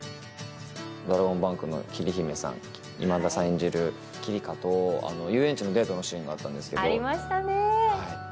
ドラゴンバンクの桐姫さん、今田さん演じるキリカと遊園地のデートのシーンがあったんですけど。